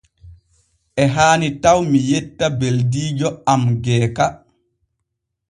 E haani taw mi yetta beldiijo am Geeka.